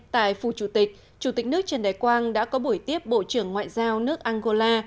tại phủ chủ tịch chủ tịch nước trần đại quang đã có buổi tiếp bộ trưởng ngoại giao nước angola